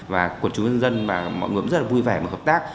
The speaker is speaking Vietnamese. và quận chủ nhân dân mọi người cũng rất là vui vẻ và hợp tác